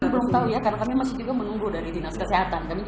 belum tahu ya karena kami masih juga menunggu dari dinas kesehatan